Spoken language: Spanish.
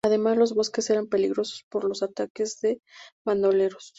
Además, los bosques eran peligrosos, por los ataques de bandoleros.